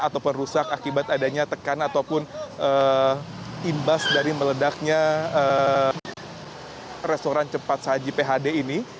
ataupun rusak akibat adanya tekan ataupun imbas dari meledaknya restoran cepat saji phd ini